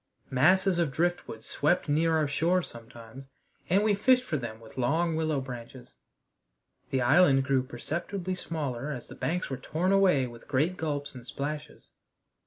Masses of driftwood swept near our shores sometimes, and we fished for them with long willow branches. The island grew perceptibly smaller as the banks were torn away with great gulps and splashes.